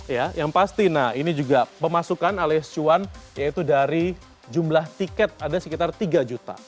ya yang pasti nah ini juga pemasukan alias cuan yaitu dari jumlah tiket ada sekitar tiga juta